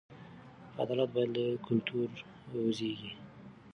عدالت باید له کلتوره وزېږي.